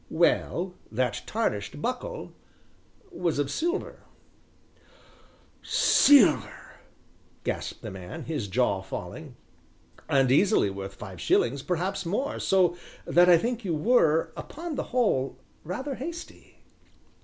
"Well, that tarnished buckle was of silver " "Silver!" gasped the man, his jaw falling. "And easily worth five shillings, perhaps more, so that I think you were, upon the whole, rather hasty."